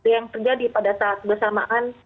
yang terjadi pada saat bersamaan